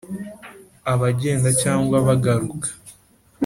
abagenda cyangwa bagaruka